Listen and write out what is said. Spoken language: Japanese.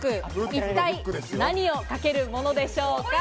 一体、何をかけるものでしょうか？